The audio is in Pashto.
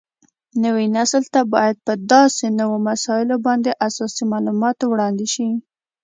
نوي نسل ته باید په داسې نوو مسایلو باندې اساسي معلومات وړاندې شي